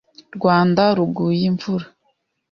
Rwanda ruguye imvura